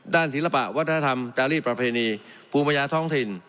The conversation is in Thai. ศิลปะวัฒนธรรมจารีสประเพณีภูมิปัญญาท้องถิ่น